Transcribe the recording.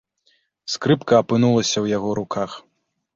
Скрыпка апынулася ў яго руках.